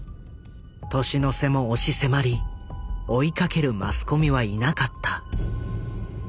年の瀬も押し迫り追いかけるマスコミはいなかった。